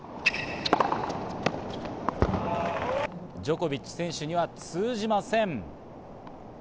ジョコビッチ選手には通じません。